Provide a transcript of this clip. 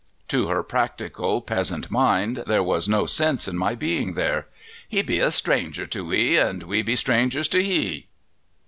To her practical, peasant mind there was no sense in my being there. "He be a stranger to we, and we be strangers to he."